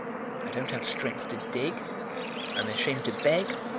I don't have strength to dig. I am ashamed to beg.